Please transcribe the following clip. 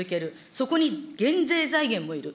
そこに減税財源もいる。